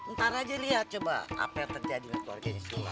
ntar aja lihat coba apa yang terjadi di keluarganya